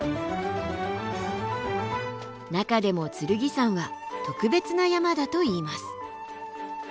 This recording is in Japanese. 中でも剣山は特別な山だといいます。